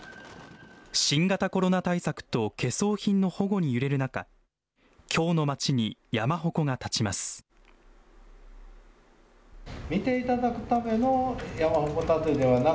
新型コロナ対策と懸装品の保護に揺れる中、京の町に山鉾が建ちます。